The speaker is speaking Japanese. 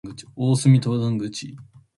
大楠登山口